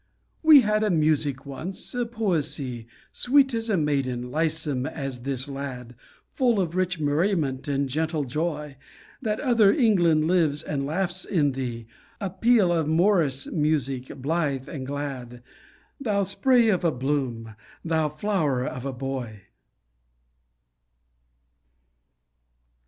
We had a music once; a poesie Sweet as a maiden, lissome as this lad, Full of rich merriment and gentle joy; That other England lives and laughs in thee, A peal of morris music, blithe and glad, Thou spray of bloom! Thou flower of a boy!